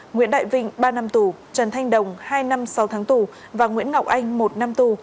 nguyễn đại vinh ba năm tù trần thanh đồng hai năm sáu tháng tù và nguyễn ngọc anh một năm tù